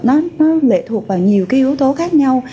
nó lệ thuộc vào nhiều cái yếu tố khác nhau